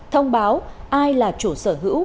thông báo ai là chủ sở hữu